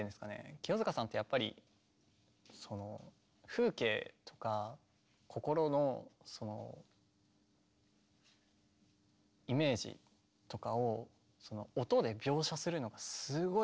清塚さんってやっぱりその風景とか心のそのイメージとかを音で描写するのがすごいお上手だと思ってて。